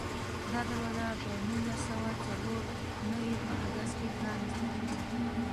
دا دروازه د نولس سوه څلور نوي په اګست کې پرانستل شوه.